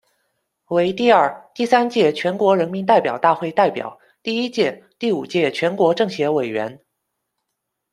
为第二、第三届全国人民代表大会代表，第一届、第五届全国政协委员。